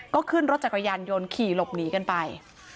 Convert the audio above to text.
ก็ขึ้นรถจักรยานยนต์ขี่หลบหนีกันไป